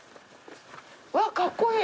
わっかっこいい！